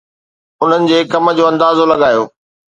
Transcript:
انهن جي ڪم جو اندازو لڳايو